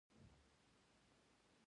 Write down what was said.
د وریښمو لاره له افغانستان تیریده